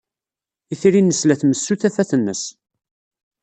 Itri-nnes la tmessu tafat-nnes.